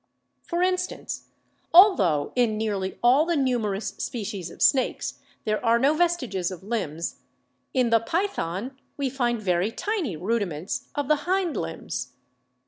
For instance, altho in nearly all the numerous species of snakes there are no vestiges of limbs, in the Python we find very tiny rudiments of the hind limbs.